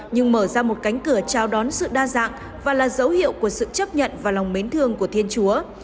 nhưng mở ra một cánh cửa chào đón sự đa dạng và là dấu hiệu của sự chấp nhận và lòng mến thương của thiên chúa